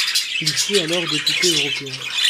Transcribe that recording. Il fut alors député européen.